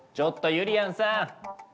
ゆりやんさん